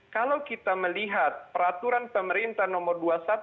kalau kita melihat peraturan pemerintah nomor dua puluh satu dua ribu dua puluh